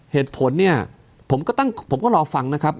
เหตุผลเนี่ยผมก็ตั้งผมก็รอฟังนะครับ